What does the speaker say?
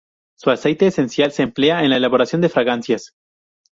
Su aceite esencial se emplea en la elaboración de fragancias.